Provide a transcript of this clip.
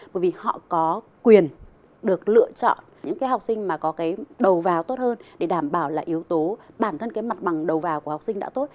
bởi vì họ có quyền được lựa chọn những cái học sinh mà có cái đầu vào tốt hơn để đảm bảo là yếu tố bản thân cái mặt bằng đầu vào của học sinh đã tốt